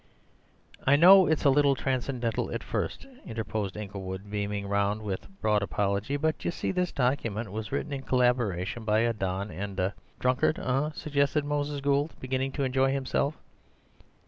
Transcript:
"I know it's a little transcendental at first," interposed Inglewood, beaming round with a broad apology, "but you see this document was written in collaboration by a don and a—" "Drunkard, eh?" suggested Moses Gould, beginning to enjoy himself.